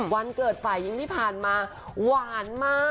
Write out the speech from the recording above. วันเกิดฝ่ายหญิงที่ผ่านมาหวานมาก